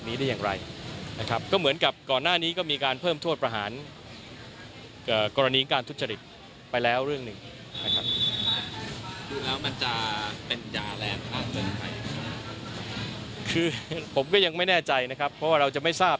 คือผมก็ยังไม่แน่ใจนะครับเพราะว่าเราจะไม่ทราบ